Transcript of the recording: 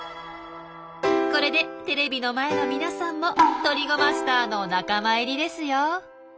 これでテレビの前のみなさんも鳥語マスターの仲間入りですよ！